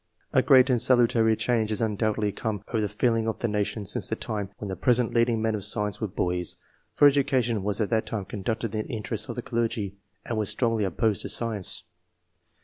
A great and salutary change has undoubtedly come over the feel ing of the nation since the time when the present leading men of science were boys, for education was at that time conducted in the interests of the clergy, and was strongly opposed to science.